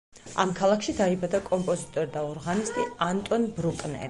ამ ქალაქში დაიბადა კომპოზიტორი და ორღანისტი ანტონ ბრუკნერი.